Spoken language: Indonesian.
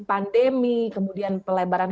pandemi kemudian pelebaran